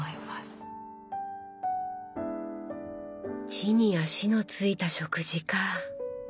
地に足のついた食事かぁ。